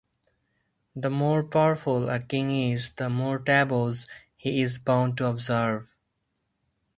The more powerful a king is, the more taboos he is bound to observe.